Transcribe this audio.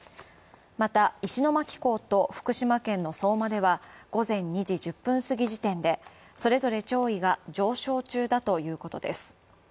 また、石巻港と福島県の相馬では午前２時１０分過ぎ時点でそれぞれ潮位が上昇中だということです。